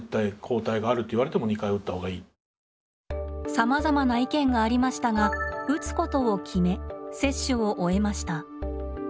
さまざまな意見がありましたが打つことを決め接種を終えました。